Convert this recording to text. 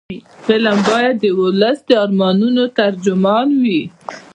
فلم باید د ولس د ارمانونو ترجمان وي